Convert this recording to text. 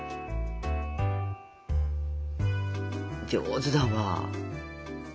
上手だわ！